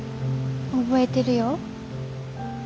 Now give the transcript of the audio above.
覚えてるよ。